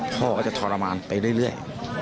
พ่อก็จะทรมานไปเรื่อย